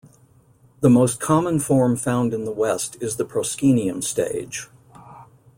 The most common form found in the West is the proscenium stage.